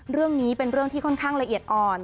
เรื่องนี้เป็นเรื่องที่ค่อนข้างละเอียดอ่อน